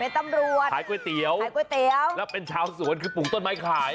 ตำรวจขายก๋วยเตี๋ยวและเป็นชาวสวนคือปุ่งต้นไม้ขาย